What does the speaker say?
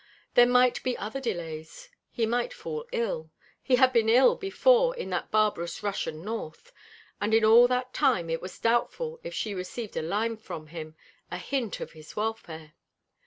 There might be other delays. He might fall ill; he had been ill before in that barbarous Russian north. And in all that time it was doubtful if she received a line from him, a hint of his welfare.